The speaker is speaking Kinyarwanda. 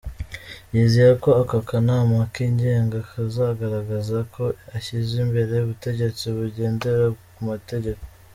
Yizeye ko aka kanama kigenga kazagaragaza ko ashyize imbere ubutegetsi bugendera ku mategeko.